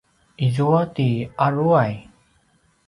izua ti aruway?